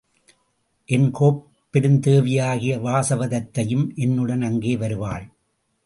என் கோப்பெருந்தேவியாகிய வாசவதத்தையும் என்னுடன் அங்கே வருவாள்!